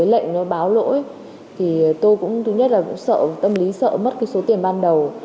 lệnh nó báo lỗi tôi cũng tâm lý sợ mất số tiền ban đầu